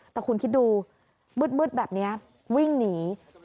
แต่คุณคิดดูมืดแบบนี้วิ่งหนี